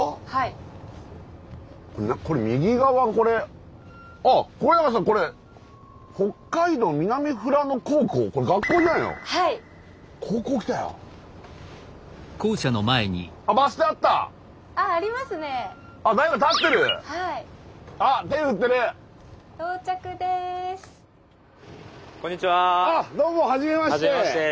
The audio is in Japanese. はじめまして。